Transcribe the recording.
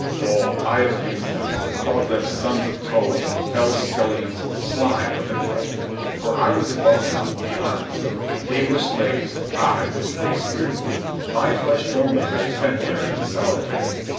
Oh, I abused them, called them sons of toads, hell's scullions, slime of the pit. For I was above them, beyond them. They were slaves. I was free spirit. My flesh only lay pent there in solitary.